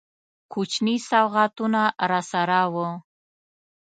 کوچني سوغاتونه راسره وه.